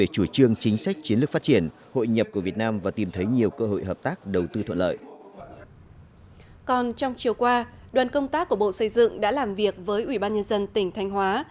còn trong chiều qua đoàn công tác của bộ xây dựng đã làm việc với ubnd tỉnh thanh hóa